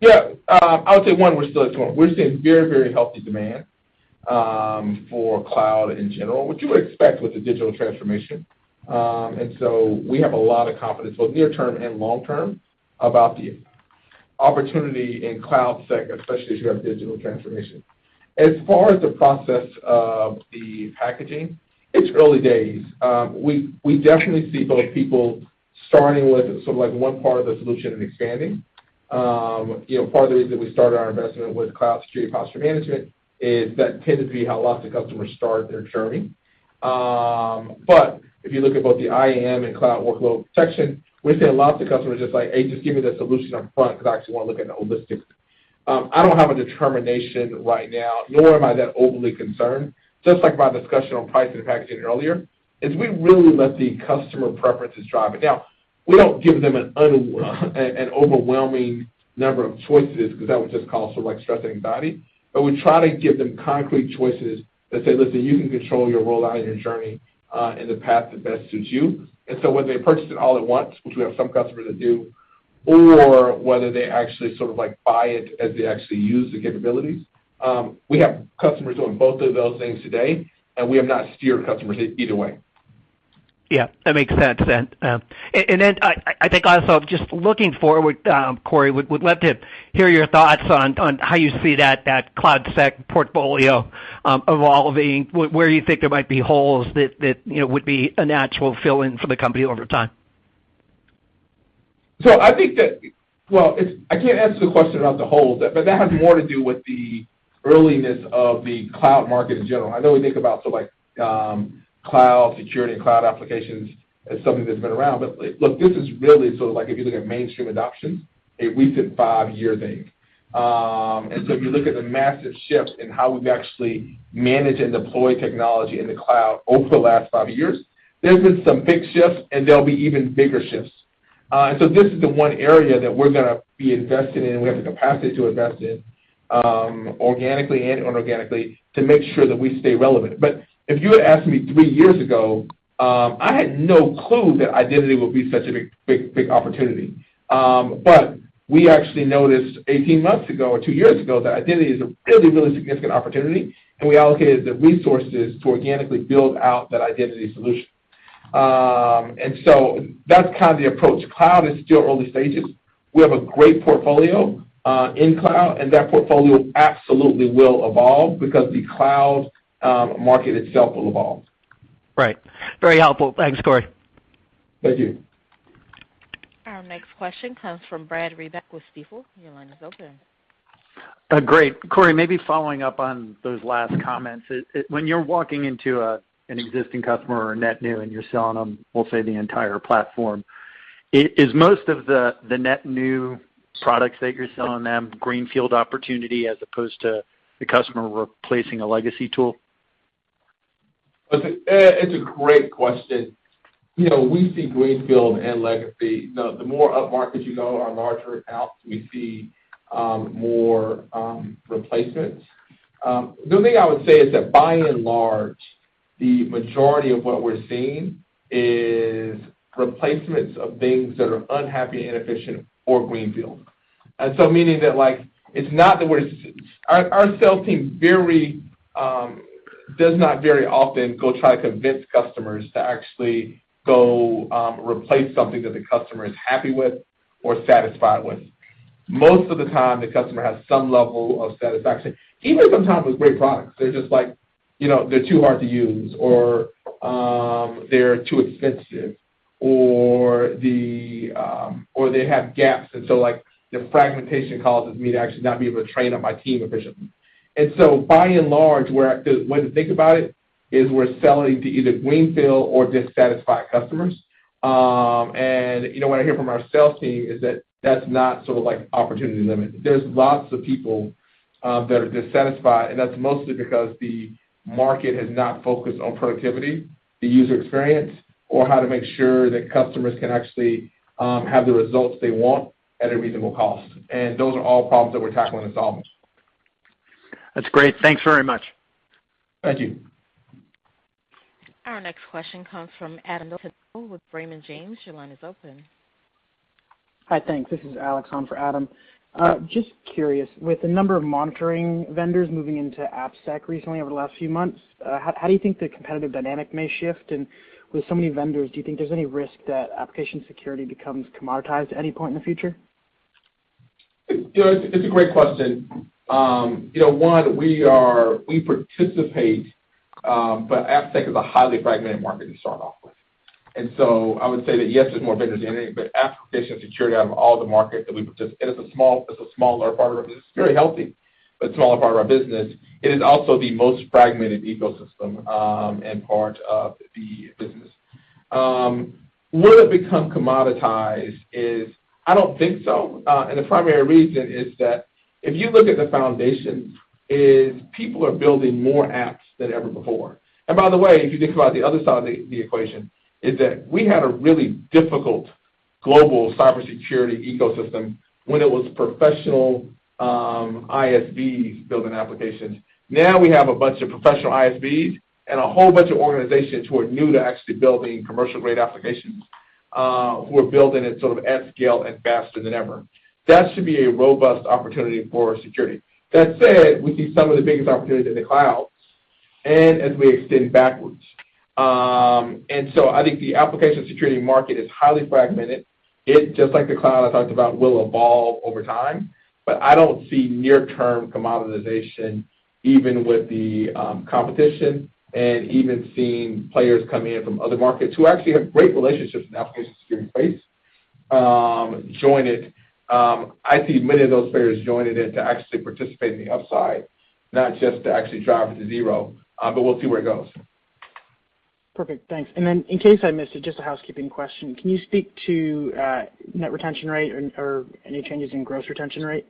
Yeah. I would say, one, we're still exploring. We're seeing very, very healthy demand for cloud in general, which you would expect with the digital transformation. We have a lot of confidence both near term and long term about the opportunity in InsightCloudSec, especially as you have digital transformation. As far as the process of the packaging, it's early days. We definitely see both people starting with sort of like one part of the solution and expanding. You know, part of the reason we started our investment with cloud security posture management is that tended to be how lots of customers start their journey. If you look at both the IAM and cloud workload protection, we see lots of customers just like, "Hey, just give me the solution up front 'cause I actually wanna look at the holistic." I don't have a determination right now, nor am I that overly concerned, just like my discussion on pricing and packaging earlier, is we really let the customer preferences drive it. Now, we don't give them an overwhelming number of choices 'cause that would just cause sort of like stress and anxiety, but we try to give them concrete choices that say, "Listen, you can control your rollout and your journey, in the path that best suits you." Whether they purchase it all at once, which we have some customers that do, or whether they actually sort of like buy it as they actually use the capabilities, we have customers doing both of those things today, and we have not steered customers either way. Yeah, that makes sense then. I think also just looking forward, Corey, would love to hear your thoughts on how you see that InsightCloudSec portfolio evolving, where you think there might be holes that, you know, would be a natural fill-in for the company over time. I can't answer the question about the holes, but that has more to do with the earliness of the cloud market in general. I know we think about sort of like cloud security and cloud applications as something that's been around. Look, this is really sort of like if you look at mainstream adoption, a recent five-year thing. If you look at the massive shifts in how we've actually managed and deployed technology in the cloud over the last five years, there's been some big shifts, and there'll be even bigger shifts. This is the one area that we're gonna be invested in, and we have the capacity to invest in organically and inorganically to make sure that we stay relevant. If you had asked me three years ago, I had no clue that identity would be such a big opportunity. We actually noticed 18 months ago or two years ago that identity is a really significant opportunity, and we allocated the resources to organically build out that identity solution. That's kind of the approach. Cloud is still early stages. We have a great portfolio in cloud, and that portfolio absolutely will evolve because the cloud market itself will evolve. Right. Very helpful. Thanks, Corey. Thank you. Our next question comes from Brad Reback with Stifel. Your line is open. Great. Corey, maybe following up on those last comments. When you're walking into an existing customer or net new and you're selling them, we'll say the entire platform, is most of the net new products that you're selling them greenfield opportunity as opposed to the customer replacing a legacy tool? It's a great question. You know, we see greenfield and legacy. The more upmarket you go, our larger accounts, we see more replacements. The only thing I would say is that by and large, the majority of what we're seeing is replacements of things that are unhappy and inefficient or greenfield. Meaning that, like, it's not that our sales team does not very often go try to convince customers to actually go replace something that the customer is happy with or satisfied with. Most of the time, the customer has some level of satisfaction, even sometimes with great products. They're just like, you know, they're too hard to use or they're too expensive or they have gaps and so, like, the fragmentation causes me to actually not be able to train up my team efficiently. By and large, we're at the way to think about it is we're selling to either greenfield or dissatisfied customers. You know, what I hear from our sales team is that that's not sort of like opportunity limit. There's lots of people that are dissatisfied, and that's mostly because the market has not focused on productivity, the user experience, or how to make sure that customers can actually have the results they want at a reasonable cost. Those are all problems that we're tackling and solving. That's great. Thanks very much. Thank you. Our next question comes from Adam Tindle with Raymond James. Your line is open. Hi. Thanks. This is Alex on for Adam. Just curious, with the number of monitoring vendors moving into AppSec recently over the last few months, how do you think the competitive dynamic may shift? With so many vendors, do you think there's any risk that application security becomes commoditized at any point in the future? You know, it's a great question. We participate, but AppSec is a highly fragmented market to start off with. I would say that yes, there's more vendors in it, but application security out of all the markets that we participate, it's a smaller part of our business. It's very healthy, but smaller part of our business. It is also the most fragmented ecosystem and part of the business. Will it become commoditized? I don't think so. The primary reason is that the foundation is people are building more apps than ever before. By the way, if you think about the other side of the equation is that we had a really difficult global cybersecurity ecosystem when it was professional ISVs building applications. Now we have a bunch of professional ISVs and a whole bunch of organizations who are new to actually building commercial grade applications, who are building it sort of at scale and faster than ever. That should be a robust opportunity for security. That said, we see some of the biggest opportunities in the clouds and as we extend backwards. I think the application security market is highly fragmented. It, just like the cloud I talked about, will evolve over time, but I don't see near term commoditization even with the competition and even seeing players come in from other markets who actually have great relationships in the application security space, join it. I see many of those players joining in to actually participate in the upside, not just to actually drive it to zero, but we'll see where it goes. Perfect. Thanks. In case I missed it, just a housekeeping question, can you speak to net retention rate or any changes in gross retention rate?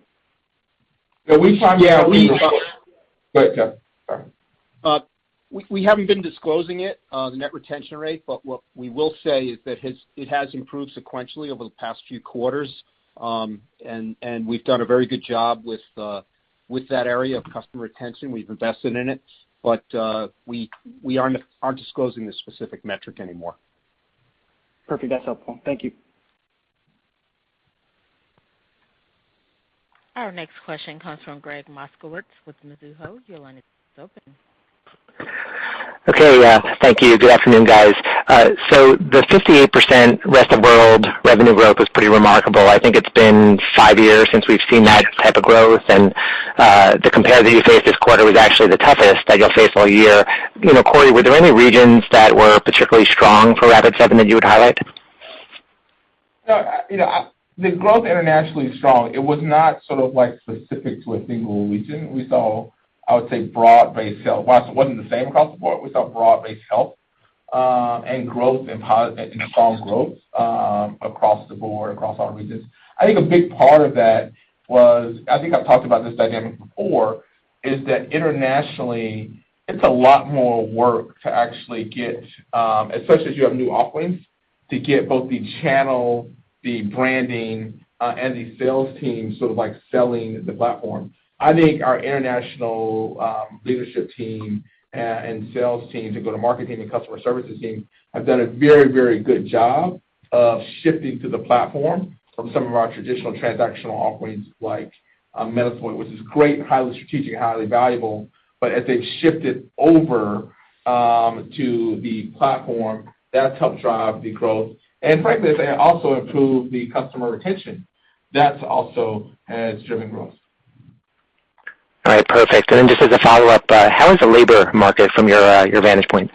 Yeah. We- Go ahead, Jeff. Sorry. We haven't been disclosing it, the net retention rate, but what we will say is that it has improved sequentially over the past few quarters. We've done a very good job with that area of customer retention. We've invested in it, but we aren't disclosing the specific metric anymore. Perfect. That's helpful. Thank you. Our next question comes from Gregg Moskowitz with Mizuho. Your line is open. Okay. Thank you. Good afternoon, guys. The 58% Rest of World revenue growth was pretty remarkable. I think it's been five years since we've seen that type of growth. The comp that you faced this quarter was actually the toughest that you'll face all year. You know, Corey, were there any regions that were particularly strong for Rapid7 that you would highlight? You know, the growth internationally is strong. It was not sort of like specific to a single region. We saw, I would say, broad-based health. While it wasn't the same across the board, we saw broad-based health, and growth and strong growth, across the board, across all regions. I think a big part of that was, I think I've talked about this dynamic before, is that internationally it's a lot more work to actually get, especially as you have new offerings, to get both the channel, the branding, and the sales team sort of like selling the platform. I think our international leadership team, sales team, marketing, and customer services team have done a very, very good job of shifting to the platform from some of our traditional transactional offerings like Metasploit, which is great and highly strategic and highly valuable. As they've shifted over to the platform, that's helped drive the growth. Frankly, they also improved the customer retention. That also has driven growth. All right. Perfect. Just as a follow-up, how is the labor market from your vantage point?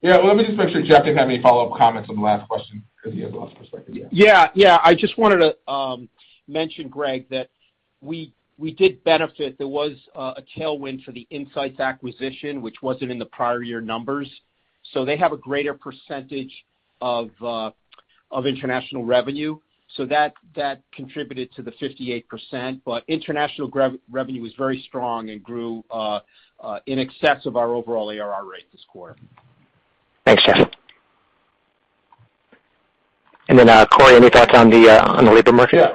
Yeah. Let me just make sure Jeff didn't have any follow-up comments on the last question because he has a lot of perspective. Yeah. I just wanted to mention, Greg, that we did benefit. There was a tailwind for the IntSights acquisition, which wasn't in the prior year numbers. They have a greater percentage of international revenue. That contributed to the 58%, but international revenue was very strong and grew in excess of our overall ARR rate this quarter. Thanks, Jeff. Corey, any thoughts on the labor market? Yeah.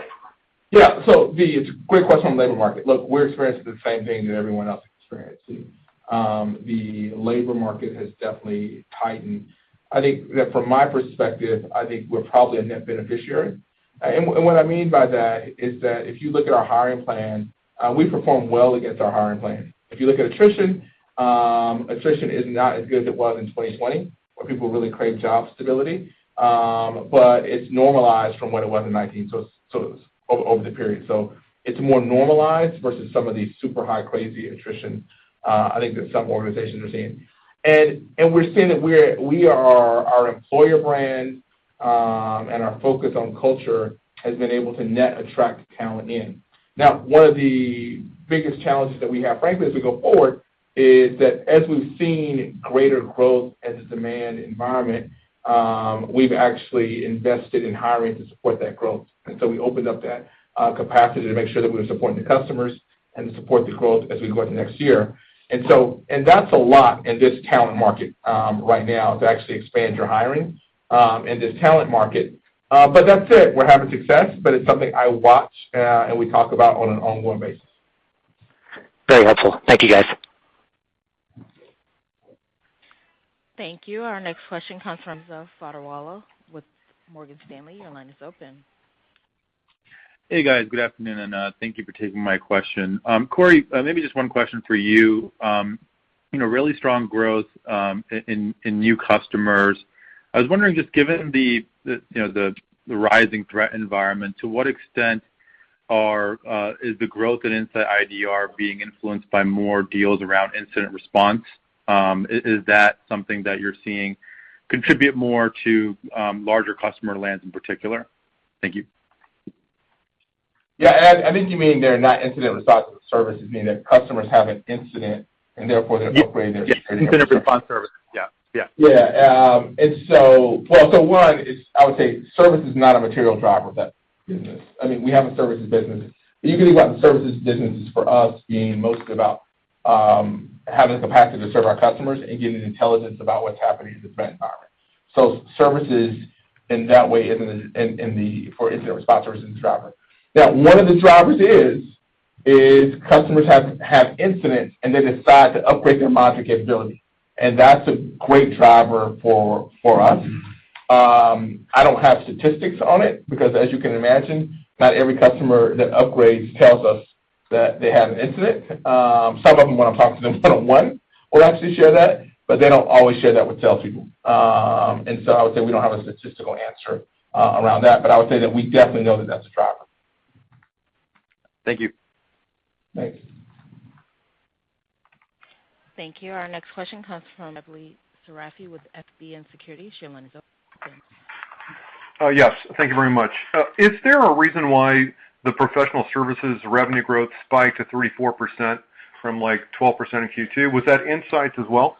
Yeah. It's a great question on the labor market. Look, we're experiencing the same thing that everyone else is experiencing. The labor market has definitely tightened. I think that from my perspective, I think we're probably a net beneficiary. And what I mean by that is that if you look at our hiring plan, we perform well against our hiring plan. If you look at attrition is not as good as it was in 2020, where people really crave job stability, but it's normalized from what it was in 2019. It's over the period. It's more normalized versus some of these super high crazy attrition, I think that some organizations are seeing. We're seeing that we are our employer brand, and our focus on culture has been able to attract talent in. Now, one of the biggest challenges that we have, frankly, as we go forward, is that as we've seen greater growth in a demand environment, we've actually invested in hiring to support that growth. We opened up that capacity to make sure that we were supporting the customers and to support the growth as we go into next year. That's a lot in this talent market right now to actually expand your hiring in this talent market. That's it. We're having success, but it's something I watch, and we talk about on an ongoing basis. Very helpful. Thank you, guys. Thank you. Our next question comes from Hamza Fodderwala with Morgan Stanley. Your line is open. Hey, guys. Good afternoon, and thank you for taking my question. Corey, maybe just one question for you. You know, really strong growth in new customers. I was wondering, just given the you know, the rising threat environment, to what extent is the growth in InsightIDR being influenced by more deals around incident response? Is that something that you're seeing contribute more to larger customer lands in particular? Thank you. Yeah. I think you mean there are not incident response services, meaning that customers have an incident and therefore they're upgrading their- Yep. Yeah, incident response services. Yeah. Yeah. Yeah. Well, one is, I would say service is not a material driver of that business. I mean, we have a services business, but you can think about the services business as for us being mostly about having the capacity to serve our customers and giving intelligence about what's happening in the threat environment. Services in that way isn't for incident response services driver. Now, one of the drivers is customers have incidents, and they decide to upgrade their monitoring capability. That's a great driver for us. I don't have statistics on it because as you can imagine, not every customer that upgrades tells us that they had an incident. Some of them, when I'm talking to them one-on-one, will actually share that, but they don't always share that with sales people. I would say we don't have a statistical answer, around that. I would say that we definitely know that that's a driver. Thank you. Thanks. Thank you. Our next question comes from Shebly Seyrafi with FBN Securities. Your line is open. Yes. Thank you very much. Is there a reason why the professional services revenue growth spiked to 3%-4% from, like, 12% in Q2? Was that IntSights as well?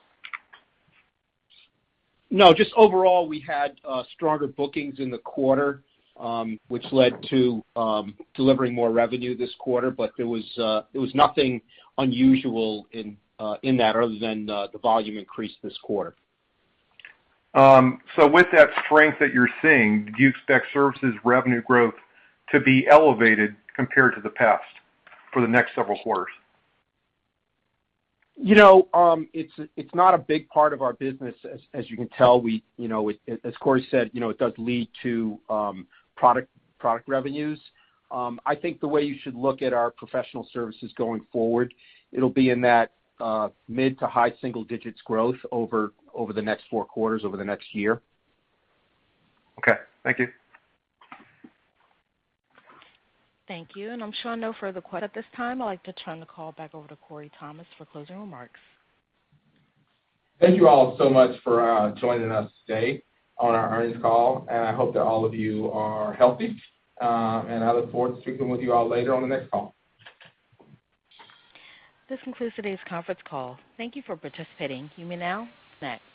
No, just overall, we had stronger bookings in the quarter, which led to delivering more revenue this quarter. There was nothing unusual in that other than the volume increase this quarter. With that strength that you're seeing, do you expect services revenue growth to be elevated compared to the past for the next several quarters? You know, it's not a big part of our business. As you can tell, we, as Corey said, you know, it does lead to product revenues. I think the way you should look at our professional services going forward, it'll be in that mid- to high-single-digits growth over the next four quarters, over the next year. Okay. Thank you. Thank you. I'm showing no further questions at this time. I'd like to turn the call back over to Corey Thomas for closing remarks. Thank you all so much for joining us today on our earnings call. I hope that all of you are healthy. I look forward to speaking with you all later on the next call. This concludes today's conference call. Thank you for participating. You may now disconnect.